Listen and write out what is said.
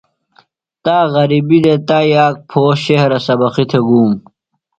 تا غربیۡ دےۡ۔ تائی آک پھو شہرہ سبقی تھےۡ گُوم۔